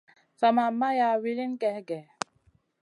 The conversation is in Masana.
Sa ma maya wilin gey gèh.